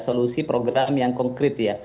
solusi program yang konkret